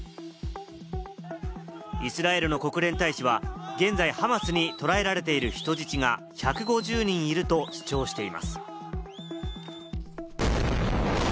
イスラエルの国連大使は現在、ハマスに捕らえられている人質が１５０人いると主張しています。